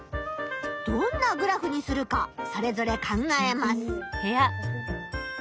どんなグラフにするかそれぞれ考えます。